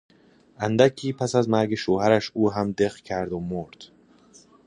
اندکی پس از مرگ شوهرش او هم دق کرد و مرد.